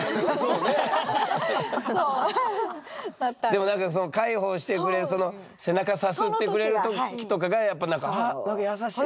でもなんか介抱してくれるその背中さすってくれる時とかがやっぱあっなんか優しい。